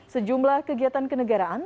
sejumlah kegiatan kenegaraan